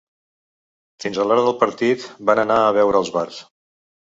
Fins a l’hora del partit van anar a beure als bars.